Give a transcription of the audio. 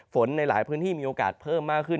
ในหลายพื้นที่มีโอกาสเพิ่มมากขึ้น